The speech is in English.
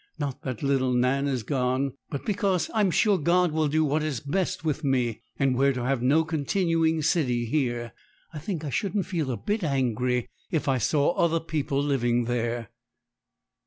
Not that little Nan is gone; but because I'm sure God will do what is best with me, and we're to have no continuing city here. I think I shouldn't feel a bit angry if I saw other people living there.'